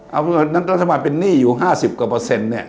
เอารัฐบาลเป็นหนี้อยู่ห้าสิบกว่าเปอร์เซ็นต์เนี่ย